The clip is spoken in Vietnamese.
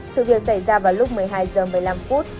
sự việc xảy ra vào lúc một mươi hai h một mươi năm phút